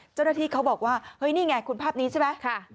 เจ้าหน้าที่เขาบอกว่าเฮ้ยนี่ไงคุณภาพนี้ใช่ไหม